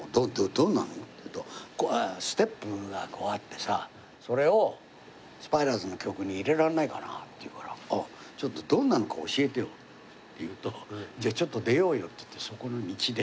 どんなの？」って言うと「ステップがこうあってさそれをスパイダースの曲に入れられないかな？」って言うから「ちょっとどんなのか教えてよ」って言うと「じゃあちょっと出ようよ」って言ってそこの道で。